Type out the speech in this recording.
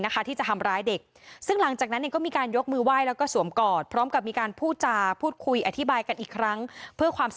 คุณแม่ใจที่ไม่ดีกับลูกของคุณแม่ครูพี่ปฏิบัติกับลูกของทุกท่านที่ได้สัมผัสได้ดูแลทุกท่านเหมือนกันหมด